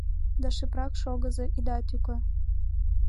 Да шыпрак шогыза, ида тӱкӧ...